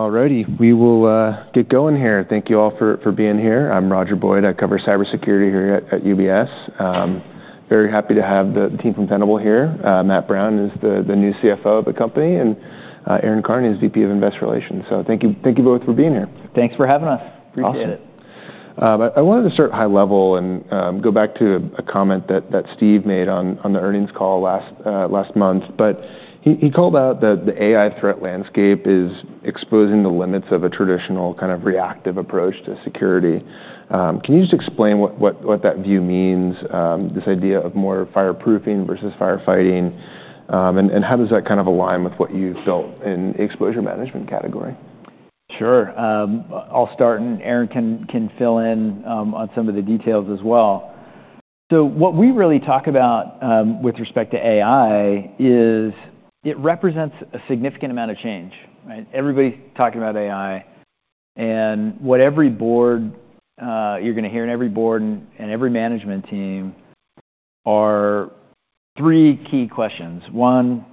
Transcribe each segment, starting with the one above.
Alrighty, we will get going here. Thank you all for being here. I'm Roger Boyd. I cover cybersecurity here at UBS. Very happy to have the team from Tenable here. Matt Brown is the new CFO of the company, and Erin Karney is VP of Investor Relations. So thank you, thank you both for being here. Thanks for having us. Appreciate it. Awesome. I wanted to start high level and go back to a comment that Steve made on the earnings call last month. But he called out that the AI threat landscape is exposing the limits of a traditional kind of reactive approach to security. Can you just explain what that view means, this idea of more fireproofing versus firefighting? And how does that kind of align with what you've built in the exposure management category? Sure. I'll start, and Erin can fill in on some of the details as well. So what we really talk about with respect to AI is it represents a significant amount of change, right? Everybody's talking about AI, and what every boardroom, you're gonna hear in every boardroom and every management team are three key questions. One,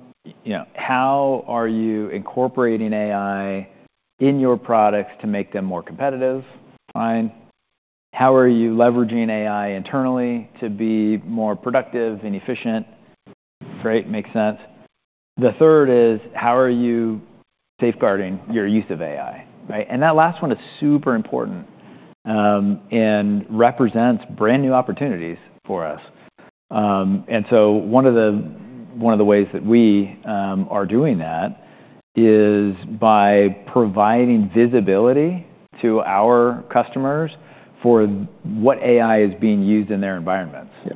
you know, how are you incorporating AI in your products to make them more competitive? Fine. How are you leveraging AI internally to be more productive and efficient? Great. Makes sense. The third is, how are you safeguarding your use of AI, right? And that last one is super important, and represents brand new opportunities for us. And so one of the ways that we are doing that is by providing visibility to our customers for what AI is being used in their environments. Yep.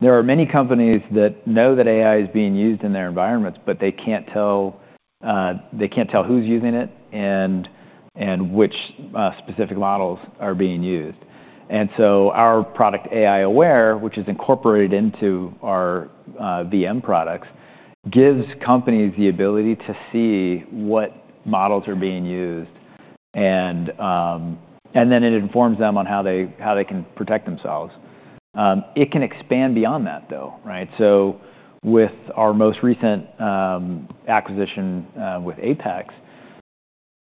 There are many companies that know that AI is being used in their environments, but they can't tell who's using it and which specific models are being used. And so our product, AI-Aware, which is incorporated into our VM products, gives companies the ability to see what models are being used, and then it informs them on how they can protect themselves. It can expand beyond that though, right? So with our most recent acquisition with Apex,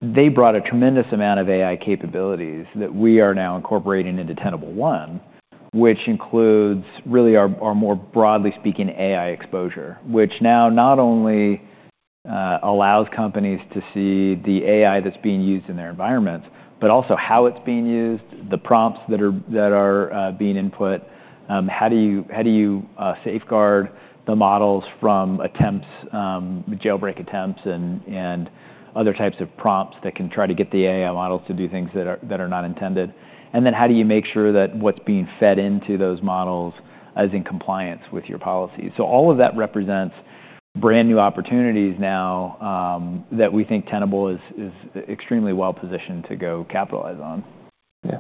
they brought a tremendous amount of AI capabilities that we are now incorporating into Tenable One, which includes really our more broadly speaking AI exposure, which now not only allows companies to see the AI that's being used in their environments, but also how it's being used, the prompts that are being input. How do you safeguard the models from jailbreak attempts and other types of prompts that can try to get the AI models to do things that are not intended? And then how do you make sure that what's being fed into those models is in compliance with your policies? All of that represents brand new opportunities now that we think Tenable is extremely well positioned to go capitalize on. Yeah.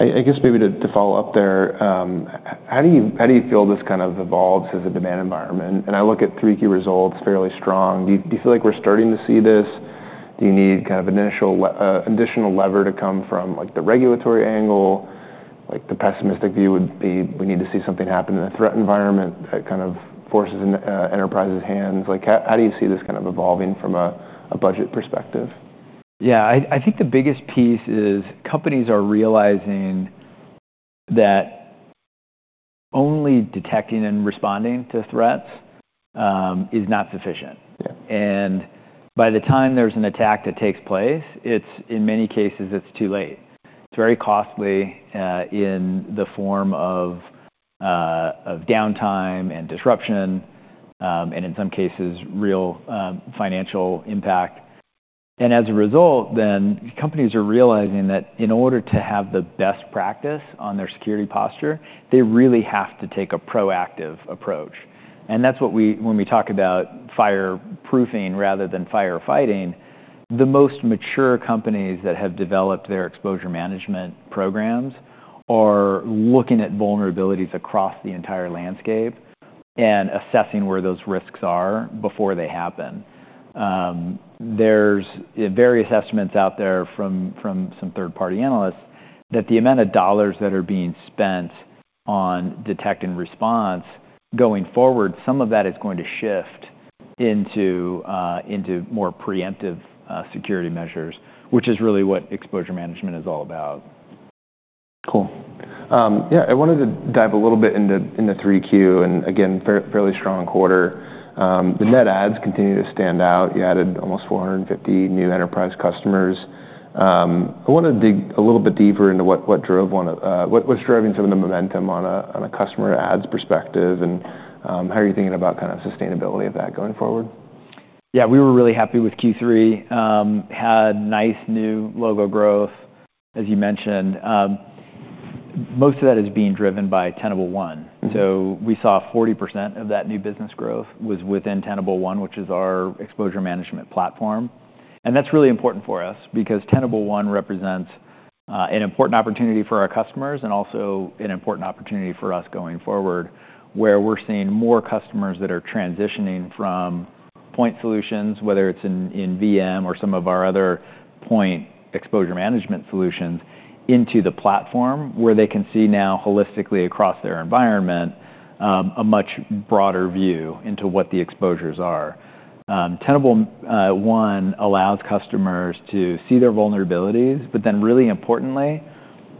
I guess maybe to follow up there, how do you feel this kind of evolves as a demand environment? And I look at three key results, fairly strong. Do you feel like we're starting to see this? Do you need kind of an initial, additional lever to come from, like, the regulatory angle? Like, the pessimistic view would be we need to see something happen in a threat environment that kind of forces an enterprise's hands. Like, how do you see this kind of evolving from a budget perspective? Yeah. I think the biggest piece is companies are realizing that only detecting and responding to threats is not sufficient. Yeah. And by the time there's an attack that takes place, it's, in many cases, it's too late. It's very costly, in the form of, of downtime and disruption, and in some cases, real, financial impact. And as a result, then companies are realizing that in order to have the best practice on their security posture, they really have to take a proactive approach. And that's what we, when we talk about fireproofing rather than firefighting, the most mature companies that have developed their exposure management programs are looking at vulnerabilities across the entire landscape and assessing where those risks are before they happen. There's various estimates out there from, from some third-party analysts that the amount of dollars that are being spent on detect and response going forward, some of that is going to shift into, into more preemptive, security measures, which is really what exposure management is all about. Cool. Yeah, I wanted to dive a little bit into Q3 and again, fairly strong quarter. The net adds continue to stand out. You added almost 450 new enterprise customers. I wanted to dig a little bit deeper into what drove, what's driving some of the momentum on a customer adds perspective and how are you thinking about kind of sustainability of that going forward? Yeah. We were really happy with Q3. Had nice new logo growth, as you mentioned. Most of that is being driven by Tenable One. Mm-hmm. We saw 40% of that new business growth was within Tenable One, which is our exposure management platform. And that's really important for us because Tenable One represents an important opportunity for our customers and also an important opportunity for us going forward where we're seeing more customers that are transitioning from point solutions, whether it's in VM or some of our other point exposure management solutions, into the platform where they can see now holistically across their environment, a much broader view into what the exposures are. Tenable One allows customers to see their vulnerabilities, but then really importantly,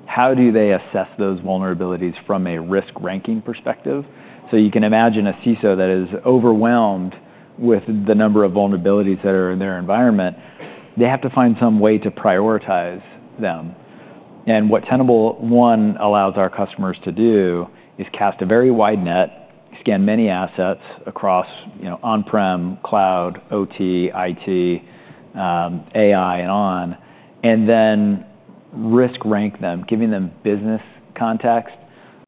how do they assess those vulnerabilities from a risk ranking perspective? You can imagine a CISO that is overwhelmed with the number of vulnerabilities that are in their environment. They have to find some way to prioritize them. And what Tenable One allows our customers to do is cast a very wide net, scan many assets across, you know, on-prem, cloud, OT, IT, AI, and on, and then risk rank them, giving them business context,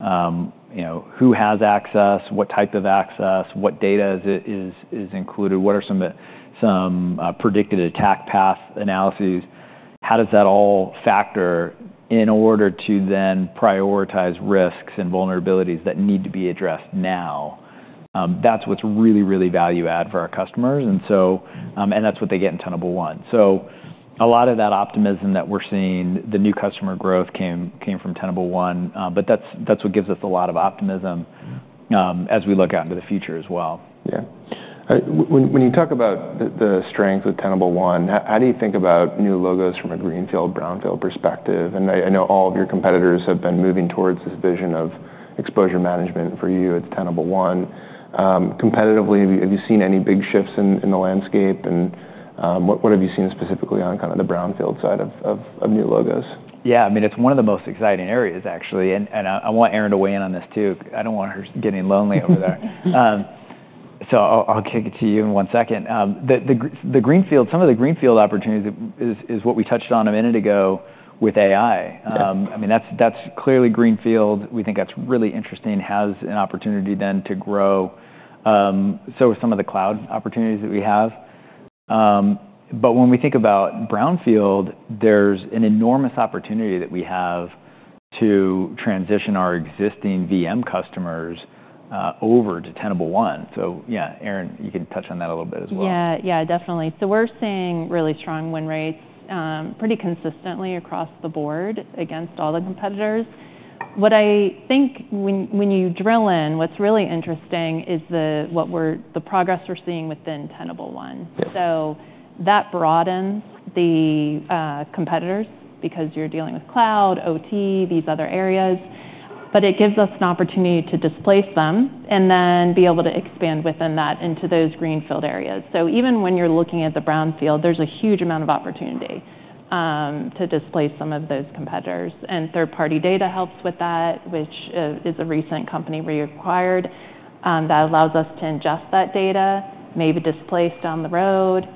you know, who has access, what type of access, what data is included, what are some predicted attack path analyses, how does that all factor in order to then prioritize risks and vulnerabilities that need to be addressed now. That's what's really, really value-add for our customers. And so that's what they get in Tenable One. So a lot of that optimism that we're seeing, the new customer growth came from Tenable One, but that's what gives us a lot of optimism, as we look out into the future as well. Yeah. When you talk about the strengths of Tenable One, how do you think about new logos from a greenfield, brownfield perspective? And I know all of your competitors have been moving towards this vision of exposure management for you at Tenable One. Competitively, have you seen any big shifts in the landscape? And what have you seen specifically on kind of the brownfield side of new logos? Yeah. I mean, it's one of the most exciting areas, actually. And I want Erin to weigh in on this too. I don't want her getting lonely over there. So I'll kick it to you in one second. The greenfield, some of the greenfield opportunities that is what we touched on a minute ago with AI. Yeah. I mean, that's clearly greenfield. We think that's really interesting, has an opportunity then to grow, so with some of the cloud opportunities that we have. But when we think about brownfield, there's an enormous opportunity that we have to transition our existing VM customers over to Tenable One. So yeah, Erin, you can touch on that a little bit as well. Yeah. Yeah, definitely. So we're seeing really strong win rates, pretty consistently across the board against all the competitors. What I think when you drill in, what's really interesting is the progress we're seeing within Tenable One. Yeah. So that broadens the competitors because you're dealing with cloud, OT, these other areas, but it gives us an opportunity to displace them and then be able to expand within that into those greenfield areas. So even when you're looking at the brownfield, there's a huge amount of opportunity to displace some of those competitors. And third-party data helps with that, which is a recent company we acquired, that allows us to ingest that data, maybe displace down the road.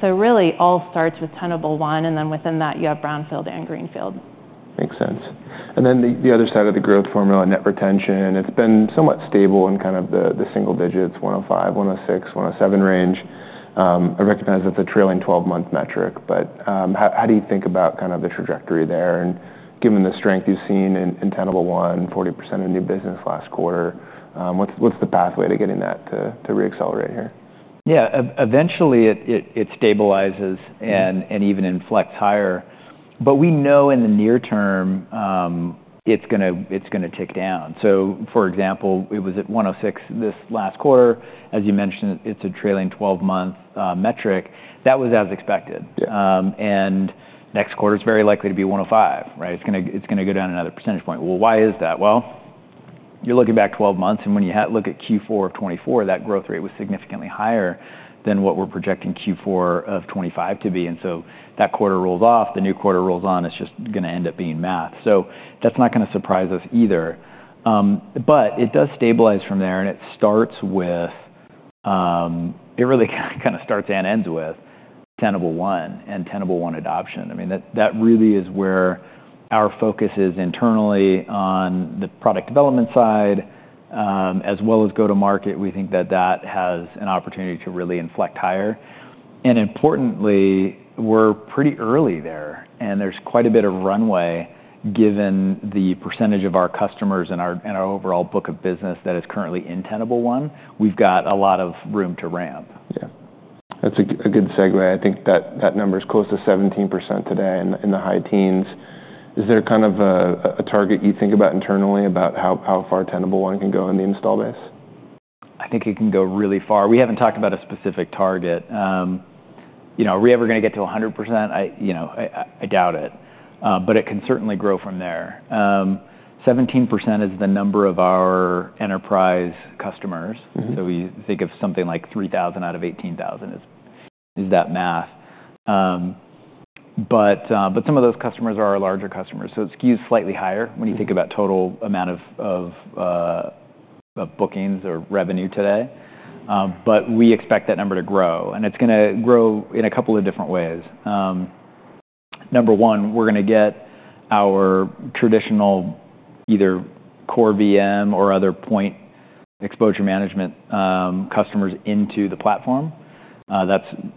So really all starts with Tenable One, and then within that you have brownfield and greenfield. Makes sense. And then the other side of the growth formula, net retention, it's been somewhat stable in kind of the single digits, 105%-107% range. I recognize that's a trailing 12-month metric, but how do you think about kind of the trajectory there? And given the strength you've seen in Tenable One, 40% of new business last quarter, what's the pathway to getting that to reaccelerate here? Yeah. Eventually it stabilizes and even inflects higher. But we know in the near term, it's gonna tick down. So for example, it was at 106 this last quarter, as you mentioned. It's a trailing 12-month metric. That was as expected. Yeah. And next quarter's very likely to be 105%, right? It's gonna go down another percentage point. Well, why is that? Well, you're looking back 12 months, and when you have a look at Q4 of 2024, that growth rate was significantly higher than what we're projecting Q4 of 2025 to be. And so that quarter rolls off, the new quarter rolls on, it's just gonna end up being math. So that's not gonna surprise us either. But it does stabilize from there, and it starts with, it really kind of starts and ends with Tenable One and Tenable One adoption. I mean, that really is where our focus is internally on the product development side, as well as go-to-market. We think that that has an opportunity to really inflect higher. Importantly, we're pretty early there, and there's quite a bit of runway given the percentage of our customers and our overall book of business that is currently in Tenable One. We've got a lot of room to ramp. Yeah. That's a good segue. I think that number's close to 17% today in the high teens. Is there kind of a target you think about internally about how far Tenable One can go in the install base? I think it can go really far. We haven't talked about a specific target. You know, are we ever gonna get to 100%? I, you know, doubt it. But it can certainly grow from there. 17% is the number of our enterprise customers. Mm-hmm. So we think of something like 3,000 out of 18,000 is that math. But some of those customers are our larger customers. So it skews slightly higher when you think about total amount of bookings or revenue today. But we expect that number to grow, and it's gonna grow in a couple of different ways. Number one, we're gonna get our traditional either core VM or other point exposure management customers into the platform. That's the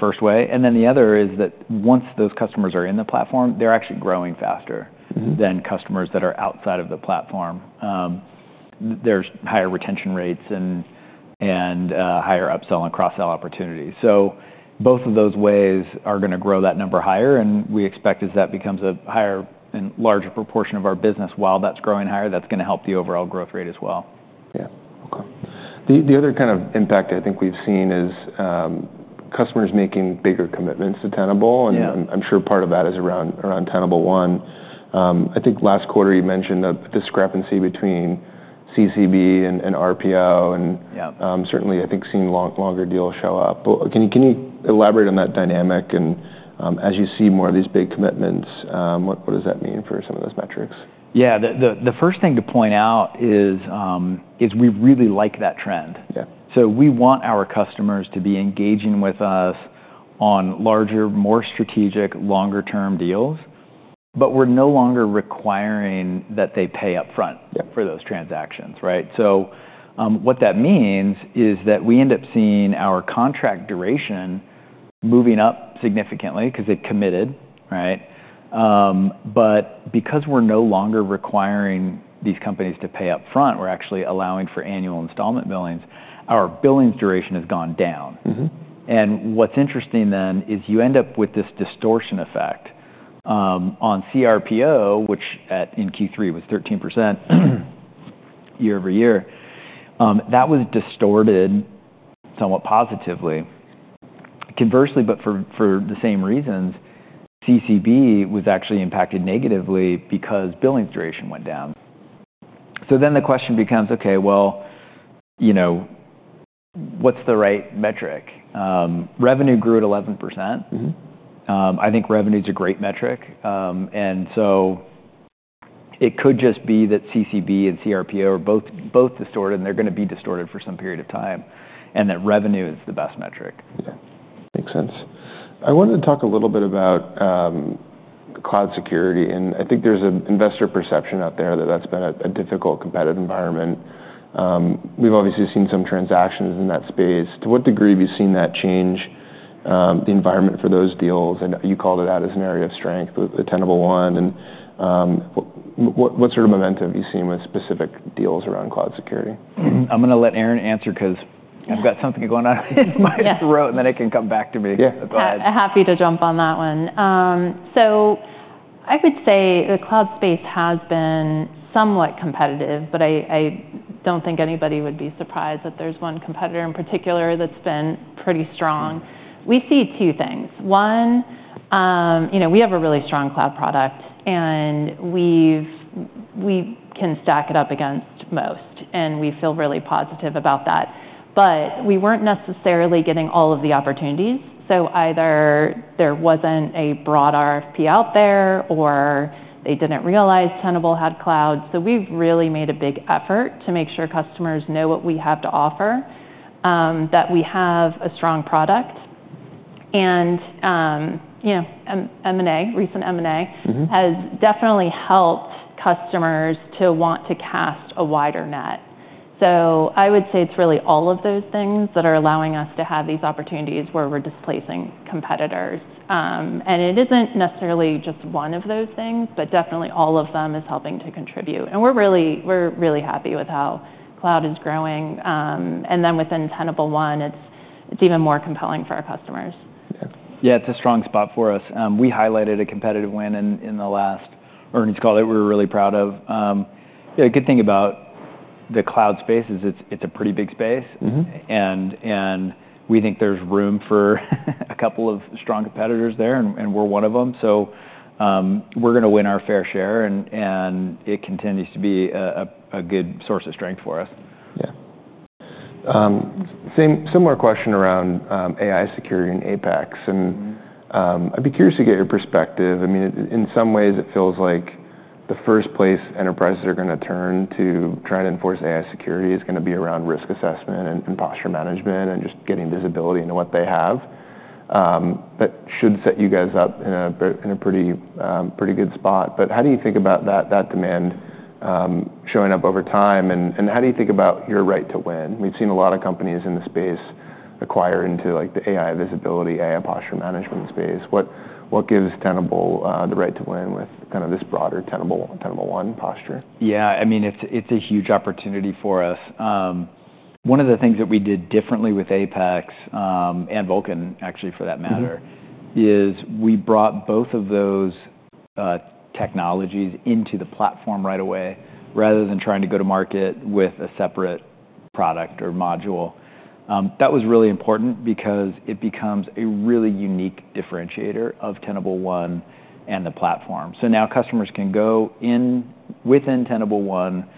first way. And then the other is that once those customers are in the platform, they're actually growing faster. Mm-hmm. Than customers that are outside of the platform, there's higher retention rates and higher upsell and cross-sell opportunities. So both of those ways are gonna grow that number higher. And we expect as that becomes a higher and larger proportion of our business while that's growing higher, that's gonna help the overall growth rate as well. Yeah. Okay. The other kind of impact I think we've seen is customers making bigger commitments to Tenable. Yeah. And I'm sure part of that is around Tenable One. I think last quarter you mentioned a discrepancy between CCB and RPO and. Yeah. Certainly, I think seeing longer deals show up, but can you elaborate on that dynamic and, as you see more of these big commitments, what does that mean for some of those metrics? Yeah. The first thing to point out is we really like that trend. Yeah. So we want our customers to be engaging with us on larger, more strategic, longer-term deals, but we're no longer requiring that they pay upfront. Yeah. For those transactions, right? So, what that means is that we end up seeing our contract duration moving up significantly 'cause they've committed, right? But because we're no longer requiring these companies to pay upfront, we're actually allowing for annual installment billings. Our billings duration has gone down. Mm-hmm. And what's interesting then is you end up with this distortion effect on CRPO, which in Q3 was 13% year-over-year. That was distorted somewhat positively. Conversely, but for the same reasons, CCB was actually impacted negatively because billings duration went down. So then the question becomes, okay, well, you know, what's the right metric? Revenue grew at 11%. Mm-hmm. I think revenue's a great metric, and so it could just be that CCB and CRPO are both distorted, and they're gonna be distorted for some period of time, and that revenue is the best metric. Yeah. Makes sense. I wanted to talk a little bit about cloud security. And I think there's an investor perception out there that that's been a difficult competitive environment. We've obviously seen some transactions in that space. To what degree have you seen that change, the environment for those deals? And you called it out as an area of strength with Tenable One. And what sort of momentum have you seen with specific deals around cloud security? I'm gonna let Erin answer 'cause I've got something going on in my throat, and then it can come back to me. Yeah. Go ahead. I'm happy to jump on that one. So I would say the cloud space has been somewhat competitive, but I don't think anybody would be surprised that there's one competitor in particular that's been pretty strong. We see two things. One, you know, we have a really strong cloud product, and we can stack it up against most, and we feel really positive about that. But we weren't necessarily getting all of the opportunities. So either there wasn't a broad RFP out there or they didn't realize Tenable had cloud. So we've really made a big effort to make sure customers know what we have to offer, that we have a strong product. And you know, M&A, recent M&A. Mm-hmm. has definitely helped customers to want to cast a wider net. So I would say it's really all of those things that are allowing us to have these opportunities where we're displacing competitors. And it isn't necessarily just one of those things, but definitely all of them is helping to contribute. And we're really, we're really happy with how cloud is growing. And then within Tenable One, it's, it's even more compelling for our customers. Yeah. Yeah, it's a strong spot for us. We highlighted a competitive win in the last earnings call that we were really proud of. You know, a good thing about the cloud space is it's a pretty big space. Mm-hmm. We think there's room for a couple of strong competitors there, and we're one of them. We're gonna win our fair share, and it continues to be a good source of strength for us. Yeah. Same, similar question around AI security and exposure. And, I'd be curious to get your perspective. I mean, in, in some ways, it feels like the first place enterprises are gonna turn to try to enforce AI security is gonna be around risk assessment and, and posture management and just getting visibility into what they have. That should set you guys up in a, in a pretty, pretty good spot. But how do you think about that, that demand, showing up over time? And, and how do you think about your right to win? We've seen a lot of companies in the space acquire into like the AI visibility, AI posture management space. What, what gives Tenable the right to win with kind of this broader Tenable One exposure? Yeah. I mean, it's a huge opportunity for us. One of the things that we did differently with APEX, and Vulcan actually for that matter, is we brought both of those technologies into the platform right away rather than trying to go to market with a separate product or module. That was really important because it becomes a really unique differentiator of Tenable One and the platform. So now customers can go in, within Tenable One,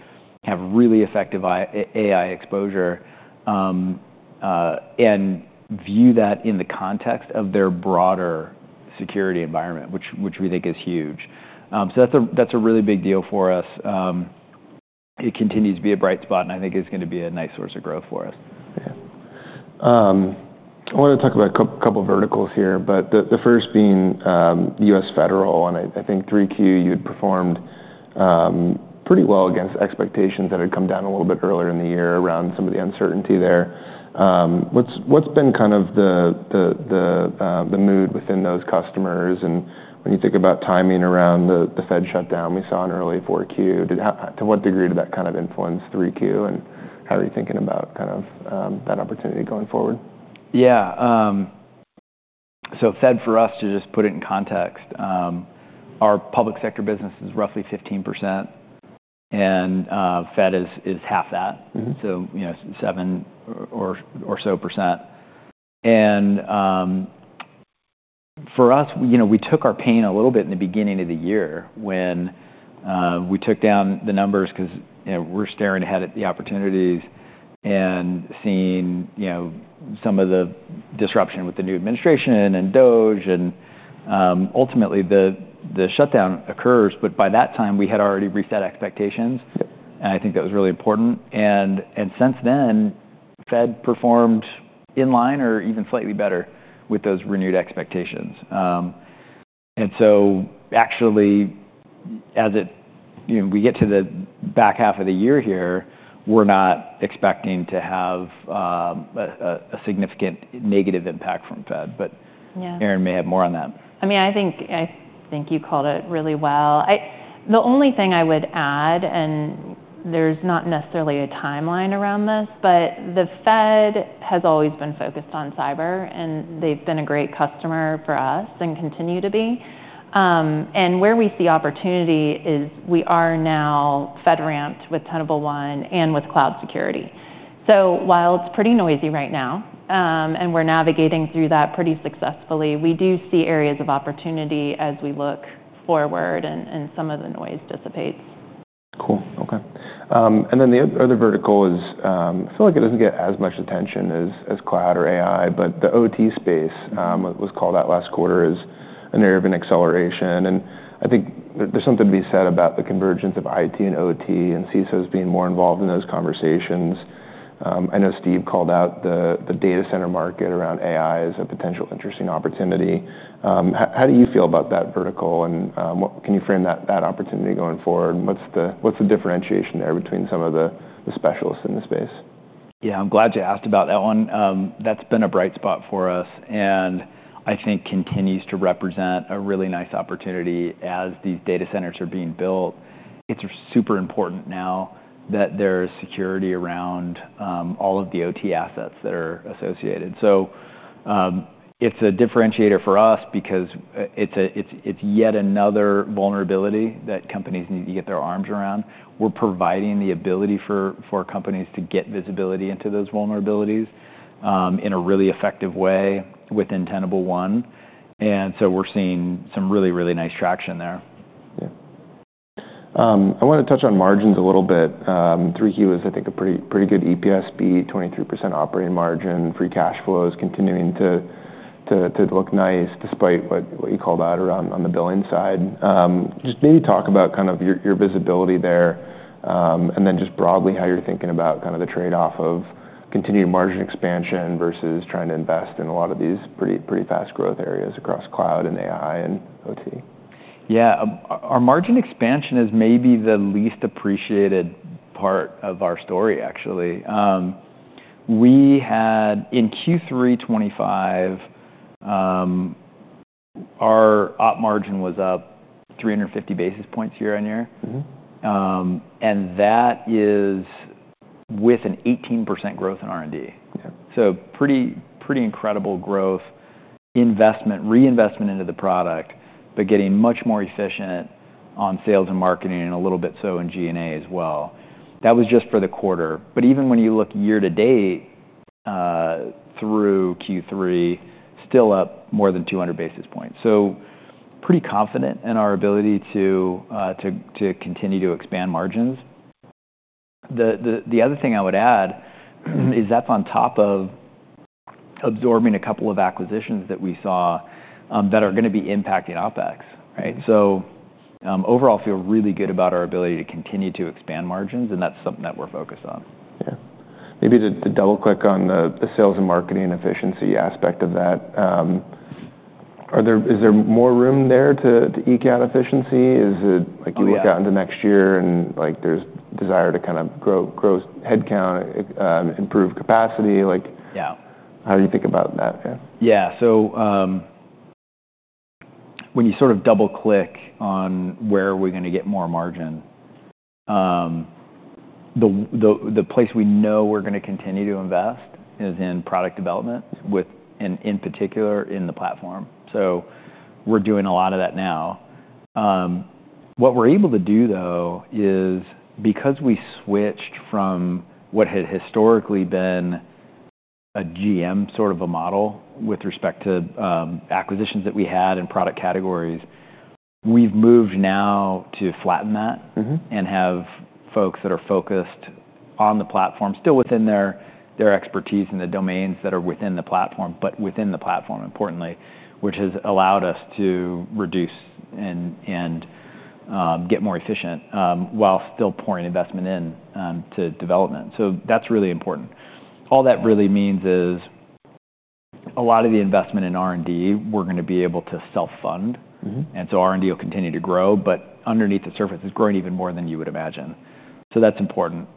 have really effective AI exposure, and view that in the context of their broader security environment, which we think is huge. So that's a really big deal for us. It continues to be a bright spot, and I think it's gonna be a nice source of growth for us. Yeah. I wanna talk about a couple verticals here, but the first being U.S. Federal, and I think 3Q you'd performed pretty well against expectations that had come down a little bit earlier in the year around some of the uncertainty there. What's been kind of the mood within those customers? And when you think about timing around the Fed shutdown we saw in early 4Q, to what degree did that kind of influence 3Q? And how are you thinking about kind of that opportunity going forward? Yeah, so Fed for us, to just put it in context, our public sector business is roughly 15%, and Fed is half that. Mm-hmm. So, you know, 7% or so. And, for us, you know, we took our pain a little bit in the beginning of the year when we took down the numbers 'cause, you know, we're staring ahead at the opportunities and seeing, you know, some of the disruption with the new administration and DOGE. And, ultimately the shutdown occurs, but by that time we had already reached that expectations. Yep. I think that was really important. And since then FedRAMP performed in line or even slightly better with those renewed expectations. And so actually as it, you know, we get to the back half of the year here, we're not expecting to have a significant negative impact from FedRAMP, but. Yeah. Erin may have more on that. I mean, I think you called it really well. The only thing I would add, and there's not necessarily a timeline around this, but the Fed has always been focused on cyber, and they've been a great customer for us and continue to be, and where we see opportunity is we are now FedRAMPed with Tenable One and with cloud security. So while it's pretty noisy right now, and we're navigating through that pretty successfully, we do see areas of opportunity as we look forward and some of the noise dissipates. Cool. Okay. And then the other vertical is, I feel like it doesn't get as much attention as cloud or AI, but the OT space was called out last quarter as an area of acceleration. And I think there's something to be said about the convergence of IT and OT and CISOs being more involved in those conversations. I know Steve called out the data center market around AI as a potential interesting opportunity. How do you feel about that vertical? And what can you frame that opportunity going forward? What's the differentiation there between some of the specialists in the space? Yeah. I'm glad you asked about that one. That's been a bright spot for us and I think continues to represent a really nice opportunity as these data centers are being built. It's super important now that there's security around all of the OT assets that are associated. So, it's a differentiator for us because it's yet another vulnerability that companies need to get their arms around. We're providing the ability for companies to get visibility into those vulnerabilities in a really effective way within Tenable One. And so we're seeing some really, really nice traction there. Yeah. I wanna touch on margins a little bit. 3Q is, I think, a pretty, pretty good EPS, beat 23% operating margin, free cash flows continuing to look nice despite what you called out around on the billing side. Just maybe talk about kind of your visibility there, and then just broadly how you're thinking about kind of the trade-off of continued margin expansion versus trying to invest in a lot of these pretty, pretty fast growth areas across cloud and AI and OT. Yeah. Our margin expansion is maybe the least appreciated part of our story, actually. We had in Q3 2025, our operating margin was up 350 basis points year on year. Mm-hmm. and that is with an 18% growth in R&D. Yeah. So pretty incredible growth, investment, reinvestment into the product, but getting much more efficient on sales and marketing and a little bit so in G&A as well. That was just for the quarter, but even when you look year to date, through Q3, still up more than 200 basis points. So pretty confident in our ability to continue to expand margins. The other thing I would add is that's on top of absorbing a couple of acquisitions that we saw that are gonna be impacting OpEx, right? So overall feel really good about our ability to continue to expand margins, and that's something that we're focused on. Yeah. Maybe to double-click on the sales and marketing efficiency aspect of that, is there more room there to eke out efficiency? Is it like you look out into next year and like there's desire to kind of grow headcount, improve capacity? Like. Yeah. How do you think about that? Yeah. Yeah. So, when you sort of double-click on where are we gonna get more margin, the place we know we're gonna continue to invest is in product development with and in particular in the platform. So we're doing a lot of that now. What we're able to do though is because we switched from what had historically been a GM sort of a model with respect to acquisitions that we had and product categories, we've moved now to flatten that. Mm-hmm. Have folks that are focused on the platform still within their expertise and the domains that are within the platform, but within the platform importantly, which has allowed us to reduce and get more efficient, while still pouring investment into development. That's really important. All that really means is a lot of the investment in R&D we're gonna be able to self-fund. Mm-hmm. And so R&D will continue to grow, but underneath the surface it's growing even more than you would imagine. So that's important.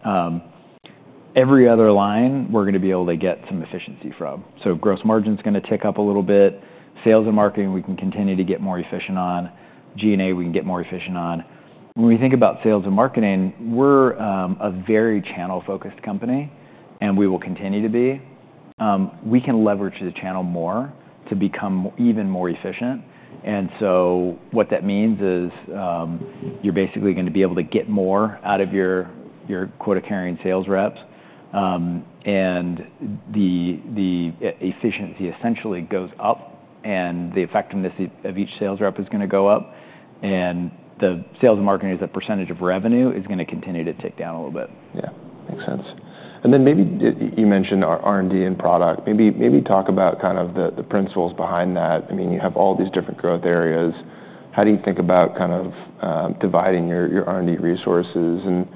Every other line we're gonna be able to get some efficiency from. So gross margin's gonna tick up a little bit. Sales and marketing we can continue to get more efficient on. G&A we can get more efficient on. When we think about sales and marketing, we're a very channel-focused company and we will continue to be. We can leverage the channel more to become even more efficient. And so what that means is, you're basically gonna be able to get more out of your quota carrying sales reps. And the efficiency essentially goes up and the effectiveness of each sales rep is gonna go up. And the sales and marketing as a percentage of revenue is gonna continue to tick down a little bit. Yeah. Makes sense. And then maybe you mentioned R&D and product. Maybe talk about kind of the principles behind that. I mean, you have all these different growth areas. How do you think about kind of dividing your R&D resources and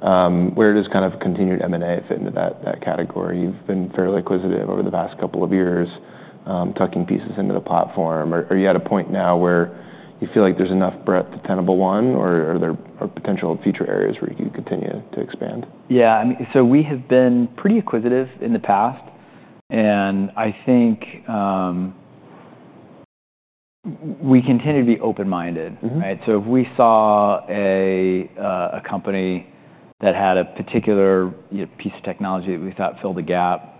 where does kind of continued M&A fit into that category? You've been fairly acquisitive over the past couple of years, tucking pieces into the platform. Are you at a point now where you feel like there's enough breadth to Tenable One or are there potential future areas where you continue to expand? Yeah. I mean, so we have been pretty acquisitive in the past, and I think, we continue to be open-minded. Mm-hmm. Right? So if we saw a company that had a particular, you know, piece of technology that we thought filled a gap,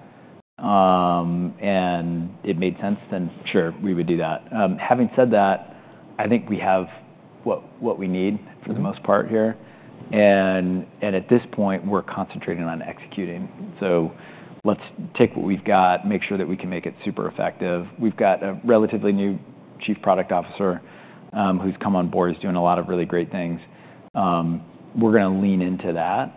and it made sense, then sure, we would do that. Having said that, I think we have what we need for the most part here. And at this point we're concentrating on executing. So let's take what we've got, make sure that we can make it super effective. We've got a relatively new Chief Product Officer, who's come on board is doing a lot of really great things. We're gonna lean into that.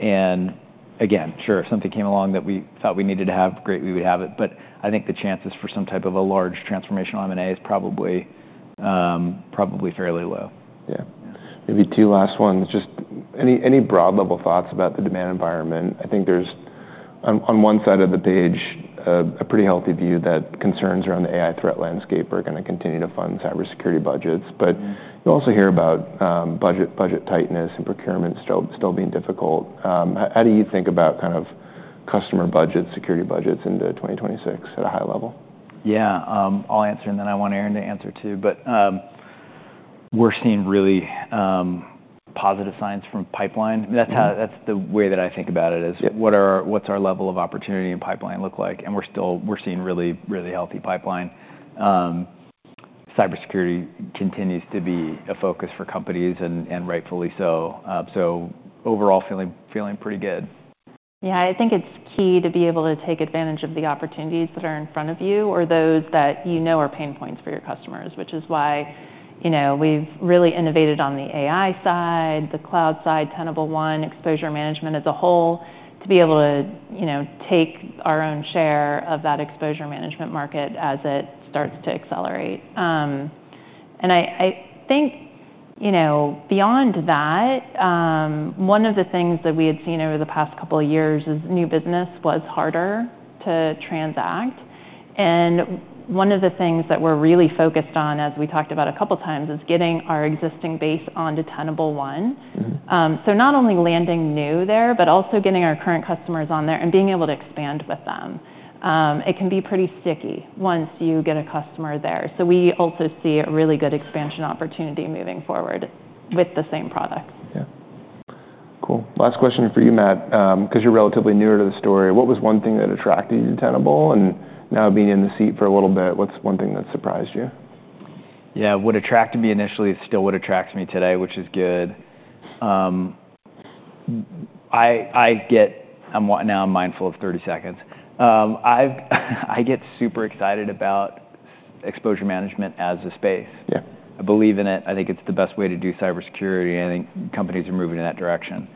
And again, sure, if something came along that we thought we needed to have, great, we would have it. But I think the chances for some type of a large transformational M&A is probably fairly low. Yeah. Maybe two last ones. Just any broad level thoughts about the demand environment? I think there's, on one side of the page, a pretty healthy view that concerns around the AI threat landscape are gonna continue to fund cybersecurity budgets. But you also hear about budget tightness and procurement still being difficult. How do you think about kind of customer budgets, security budgets into 2026 at a high level? Yeah. I'll answer, and then I want Erin to answer too. But we're seeing really positive signs from pipeline. That's how, that's the way that I think about it is. Yeah. What's our level of opportunity and pipeline look like? And we're still, we're seeing really, really healthy pipeline. Cybersecurity continues to be a focus for companies and, rightfully so. Overall feeling, feeling pretty good. Yeah. I think it's key to be able to take advantage of the opportunities that are in front of you or those that you know are pain points for your customers, which is why, you know, we've really innovated on the AI side, the cloud side, Tenable One, exposure management as a whole to be able to, you know, take our own share of that exposure management market as it starts to accelerate. And I think, you know, beyond that, one of the things that we had seen over the past couple of years is new business was harder to transact. And one of the things that we're really focused on, as we talked about a couple of times, is getting our existing base onto Tenable One. Mm-hmm. So not only landing new there, but also getting our current customers on there and being able to expand with them. It can be pretty sticky once you get a customer there. So we also see a really good expansion opportunity moving forward with the same products. Yeah. Cool. Last question for you, Matt. 'cause you're relatively newer to the story. What was one thing that attracted you to Tenable? And now being in the seat for a little bit, what's one thing that surprised you? Yeah. What attracted me initially is still what attracts me today, which is good. I'm now mindful of 30 seconds. I get super excited about exposure management as a space. Yeah. I believe in it. I think it's the best way to do cybersecurity. I think companies are moving in that direction.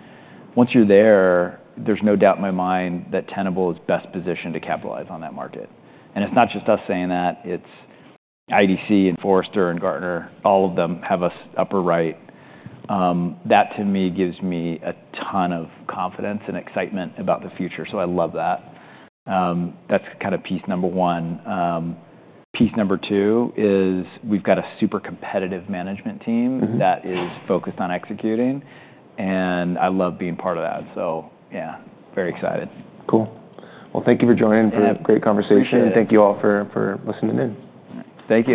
Once you're there, there's no doubt in my mind that Tenable is best positioned to capitalize on that market. And it's not just us saying that. It's IDC and Forrester and Gartner. All of them have us upper right. That to me gives me a ton of confidence and excitement about the future. So I love that. That's kind of piece number one. Piece number two is we've got a super competitive management team. Mm-hmm. That is focused on executing. And I love being part of that. So yeah, very excited. Cool. Well, thank you for joining for. Yeah. Great conversation. Appreciate it. And thank you all for listening in. Thank you.